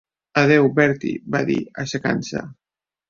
"Adéu, Bertie" va dir, aixecant-se.